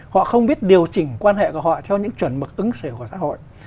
họ không biết điều chỉnh quan hệ của họ theo những chuẩn mực ứng xử của xã hội